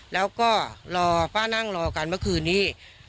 แล้วก็รอป้านั่งรอกันเมื่อคืนนี้